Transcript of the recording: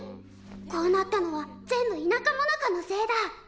こうなったのは全部田舎もなかのせいだ！